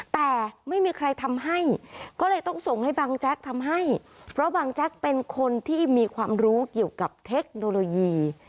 แต่ไม่มีใครทำให้ก็เลยต้องส่งให้บังแจ๊กทำให้เพราะบางแจ๊กเป็นคนที่มีความรู้เกี่ยวกับเทคโนโลยี